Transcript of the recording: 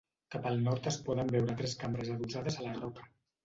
Cap al nord es poden veure tres cambres adossades a la roca.